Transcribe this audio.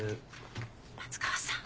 松川さん